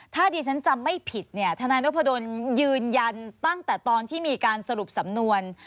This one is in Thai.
ถ้าดิฉันจำไม่ผิดเนี่ยทนายนพดลยืนยันตั้งแต่ตอนที่มีการสรุปสำนวน